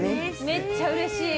めっちゃ嬉しい！